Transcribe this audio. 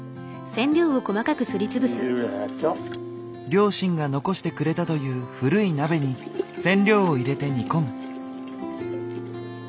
両親が残してくれたという古い鍋に染料を入れて煮込む。